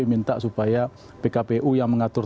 minta supaya pkpu yang mengatur